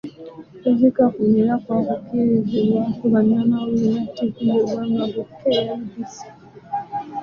Okuziika kuno era kwakukikiribwako bannamawulire ba ttivi y'eggwanga bokka eya UBC.